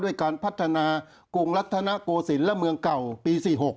การพัฒนากรุงรัฐนโกศิลป์และเมืองเก่าปี๔๖